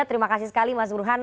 terima kasih sekali mas burhan